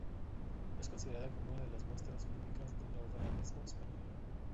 Es considerada como una de las muestras fílmicas del neorrealismo español.